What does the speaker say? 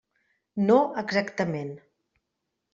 No exactament.